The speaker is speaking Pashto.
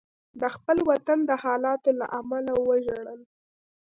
د خپل وطن د حالاتو له امله وژړل.